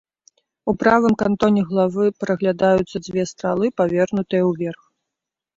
У правым кантоне главы праглядаюцца дзве стралы, павернутыя ўверх.